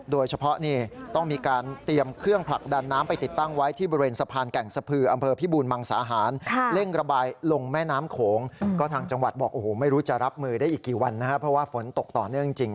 และจะรับมือได้อีกกี่วันนั้นเพราะว่าฝนตกต่อเนื่องจริง